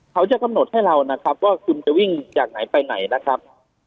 เขาจะกำหนดให้เรานะครับว่าคุณจะวิ่งจากไหนไปไหนนะครับ